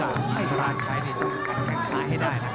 ไอ้ร้านใช้ดิแข็งสายให้ได้นะ